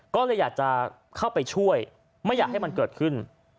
ก็เลยอยากจะเข้าไปช่วยไม่อยากให้มันเกิดขึ้น